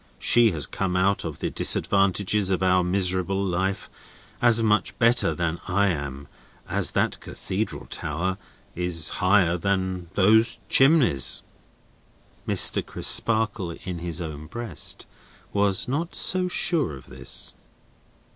She has come out of the disadvantages of our miserable life, as much better than I am, as that Cathedral tower is higher than those chimneys." Mr. Crisparkle in his own breast was not so sure of this.